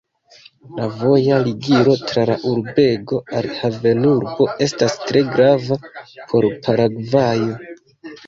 La voja ligilo tra la urbego al havenurbo estas tre grava por Paragvajo.